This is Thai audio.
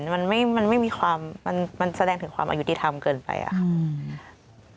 มันไม่มีความมันแสดงถึงความอายุติธรรมเกินไปอะค่ะ